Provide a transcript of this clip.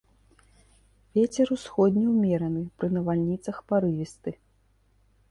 Вецер усходні ўмераны, пры навальніцах парывісты.